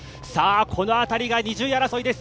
この辺りが２０位争いです。